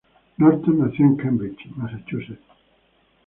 Norton nació en Cambridge, Massachusetts.